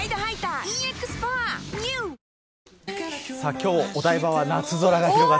今日お台場は夏空が広